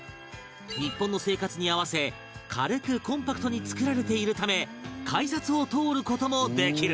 日本の生活に合わせ軽くコンパクトに作られているため改札を通る事もできる